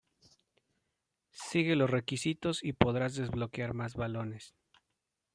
Sigue los requisitos y podrás desbloquear más balones.